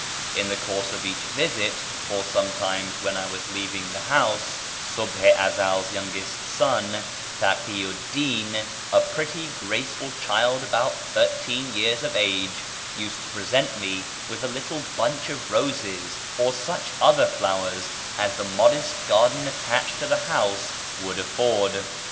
In the course of each visit, or sometimes when I was leaving the house, Subh i Ezel's youngest son Takí'u'd Dín, a pretty, graceful child about thirteen years of age, used to present me with a little bunch of roses or such other flowers as the modest garden attached to the house would afford.